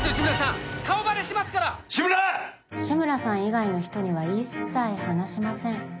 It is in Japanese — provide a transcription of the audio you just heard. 志村さん顔バレしますから志村さん以外の人には一切話しません